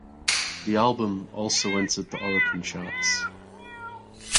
The album also entered the Oricon charts.